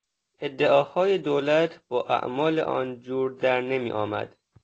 ادعاهای دولت با اعمال آن جور در نمیآمد.